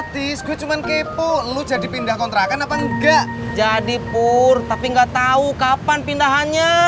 tapi nggak tau kapan pindahannya